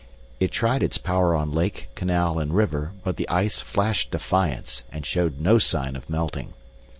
It tried its power on lake, canal, and river, but the ice flashed defiance and showed no sign of melting.